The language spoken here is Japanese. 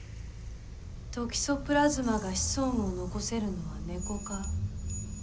トキソプラズマが子孫を残せるのはネコ科。